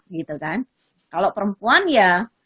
gitu kan kalau perempuan ya